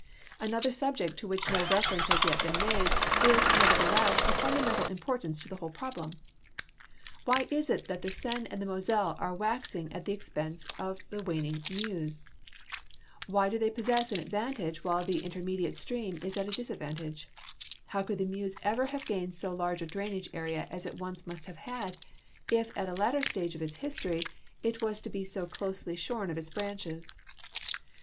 Another subject to which no reference has yet been made is, nevertheless, of fundamental importance to the whole ])roblem : Why is it that the Seine and the Moselle are waxing at the ex j)ense of the waning Meuse ? Why do they possess an advantage while tlie intermediate stream is at a disadvantage ? How could the Meuse ever have gainetl so large a drainage area as it once must have had, if at a later stage of its history it was to be so closely sliorn of its branches